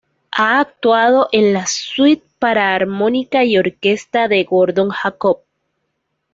Ha actuado en la "Suite para armónica y orquesta" de Gordon Jacob.